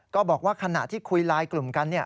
ก็บอกว่าขณะที่คุยไลน์กลุ่มกัน